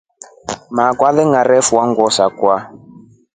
Mama akwa alingefua nguo sakwa.